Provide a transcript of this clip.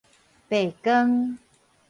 培根